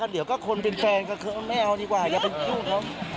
เดี๋ยวก็คนเป็นแฟนก็คือไม่เอาดีกว่าอย่าไปยุ่งเขา